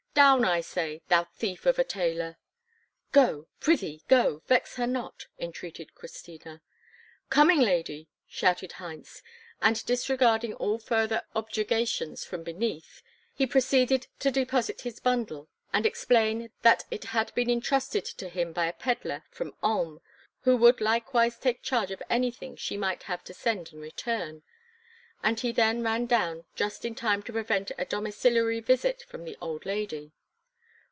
Down, I say, thou thief of a tailor." "Go; prithee go, vex her not," entreated Christina. "Coming, lady!" shouted Heinz, and, disregarding all further objurgations from beneath, he proceeded to deposit his bundle, and explain that it had been entrusted to him by a pedlar from Ulm, who would likewise take charge of anything she might have to send in return, and he then ran down just in time to prevent a domiciliary visit from the old lady.